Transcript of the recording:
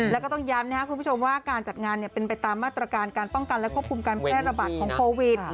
แล้วก็ต้องย้ำนะครับคุณผู้ชมว่าการจัดงานเป็นไปตามมาตรการการป้องกันและควบคุมการแพร่ระบาดของโควิด